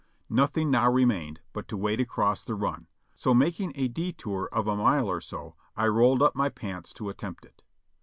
Nothing now remained but to wade across the run, so making a detour of a mile or so, J rolled up my pants to attempt it.